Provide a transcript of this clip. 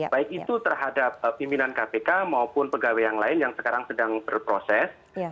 baik itu terhadap pimpinan kpk maupun pegawai yang lain yang sekarang sedang berproses